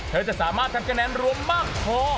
จะสามารถทำคะแนนรวมมากพอ